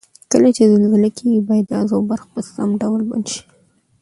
کله چې زلزله کیږي باید ګاز او برق په سم ډول بند شي؟